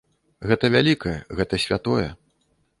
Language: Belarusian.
Гэта вялікае, гэта святое.